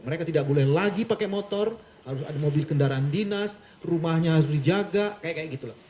mereka tidak boleh lagi pakai motor harus ada mobil kendaraan dinas rumahnya harus dijaga kayak gitu loh